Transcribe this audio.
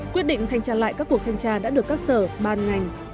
quyết định thanh tra lại các cuộc thanh tra đã được các sở ban ngành